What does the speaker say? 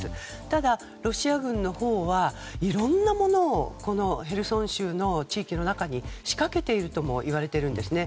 ただ、ロシア軍のほうはいろんなものをこのヘルソン州の地域の中に仕掛けているともいわれているんですね。